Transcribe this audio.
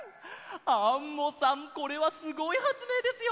アンモさんこれはすごいはつめいですよ！